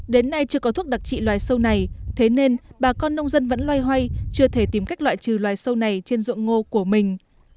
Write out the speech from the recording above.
đến nay chưa có thuốc đặc trị loài sâu này thế nên bà con nông dân vẫn loay hoay chưa thể tìm cách loại trừ loài sâu này trên ruộng ngô của mình